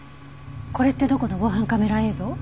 これってどこの防犯カメラ映像？